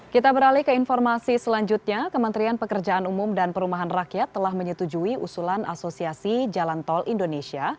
kita beralih ke informasi selanjutnya kementerian pekerjaan umum dan perumahan rakyat telah menyetujui usulan asosiasi jalan tol indonesia